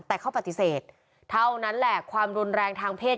แต่เขาปฏิเสธเท่านั้นแหละความรุนแรงทางเพศ